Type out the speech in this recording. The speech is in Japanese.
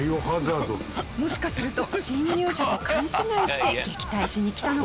もしかすると侵入者と勘違いして撃退しに来たのかもしれません。